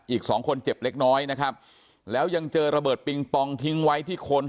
อีกสองคนเจ็บเล็กน้อยนะครับแล้วยังเจอระเบิดปิงปองทิ้งไว้ที่คน